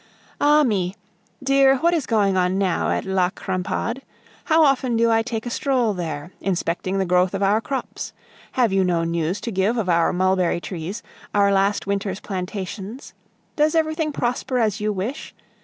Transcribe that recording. Ah me! dear, what is going on now at La Crampade? How often do I take a stroll there, inspecting the growth of our crops! Have you no news to give of our mulberry trees, our last winter's plantations? Does everything prosper as you wish?